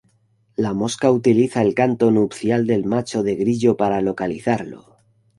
La mosca utiliza el canto nupcial del macho de grillo para localizarlo.